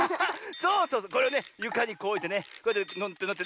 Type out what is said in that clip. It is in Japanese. そうそうそうこれをねゆかにこうおいてねこうやってのって。